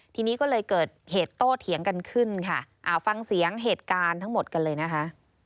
ทีนี้ก็เลยเกิดเหตุโต้เถียงกันขึ้นค่ะฟังเสียงเหตุการณ์ทั้งหมดกันเลยนะคะ